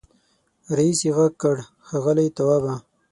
رئيسې غږ کړ ښاغلی توابه.